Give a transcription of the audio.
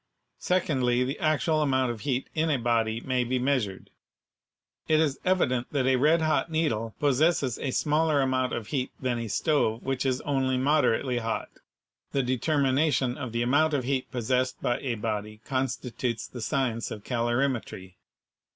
Secondly, the actual amount of HEAT 53 heat in a body may be measured. It is evident that a red hot needle possesses a smaller amount of heat than a stove which is only moderately hot. The determination of the amount of heat possessed by a body constitutes the science of calorimetry.